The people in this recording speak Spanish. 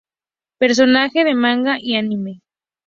Personaje del manga y anime.